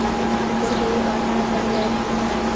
په کور کې یې په آسانه تړلی شي.